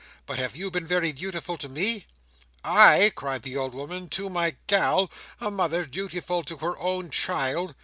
But have you been very dutiful to me?" "I!" cried the old woman. "To my gal! A mother dutiful to her own child!"